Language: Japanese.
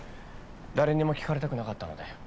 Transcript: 誰にも聞かれたくなかったので。